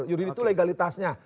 juridis itu legalitasnya